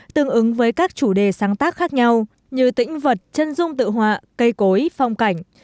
tương ứng với các chủ đề sáng tác khác nhau như tĩnh vật chân dung tự họa cây cối phong cảnh